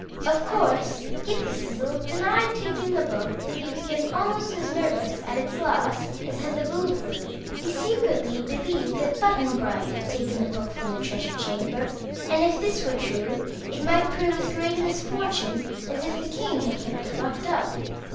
Of course Ghip Ghisizzle denied taking the Book, but he became almost as nervous at its loss as had the Boolooroo. He secretly believed that Button Bright had taken the Book from the Treasure Chamber, and if this were true it might prove as great a misfortune as if the king had kept it locked up.